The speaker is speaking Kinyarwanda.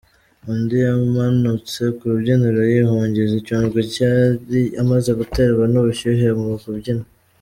Undi yamanutse ku rubyiniro yihungiza icyunzwe yari amaze guterwa n’ubushyuhe mu kubyina.